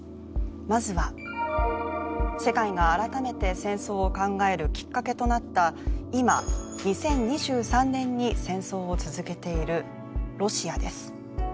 まずは世界が改めて戦争を考えるきっかけとなった今２０２３年に戦争を続けているロシアです